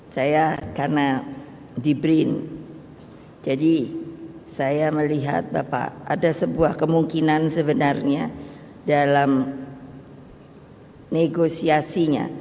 saya karena di brin jadi saya melihat bapak ada sebuah kemungkinan sebenarnya dalam negosiasinya